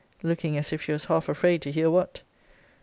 [looking as if she was half afraid to hear what.